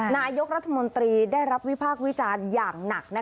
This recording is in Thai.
นายกรัฐมนตรีได้รับวิพากษ์วิจารณ์อย่างหนัก